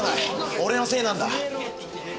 俺のせいなんだ。